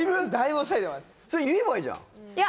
それ言えばいいじゃんいや